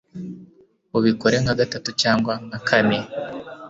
ubikore nka gatatu cyangwa nka kane